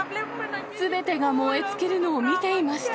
すべてが燃え尽きるのを見ていました。